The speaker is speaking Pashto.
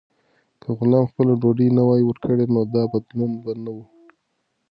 که غلام خپله ډوډۍ نه وای ورکړې، نو دا بدلون به نه و.